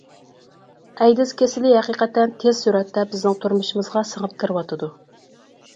ئەيدىز كېسىلى ھەقىقەتەن تېز سۈرئەتتە بىزنىڭ تۇرمۇشىمىزغا سىڭىپ كىرىۋاتىدۇ.